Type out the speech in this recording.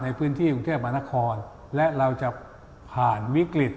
ในพื้นที่กรุงเทพมหานครและเราจะผ่านวิกฤต